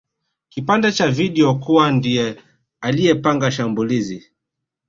kipande cha video kuwa ndiye aliyepanga shambulizi